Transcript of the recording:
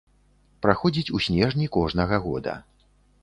Праходзіць у снежні кожнага года.